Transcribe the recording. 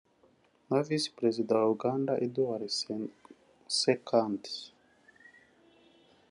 na visi perezida wa Uganda Edward Ssekandi